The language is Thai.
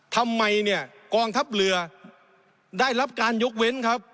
ทำไมเนี่ยกองทัพเรือได้รับการยกเว้นครับ